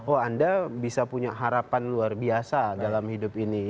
oh anda bisa punya harapan luar biasa dalam hidup ini